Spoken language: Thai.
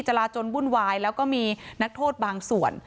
จราจนวุ่นวายแล้วก็มีนักโทษบางส่วน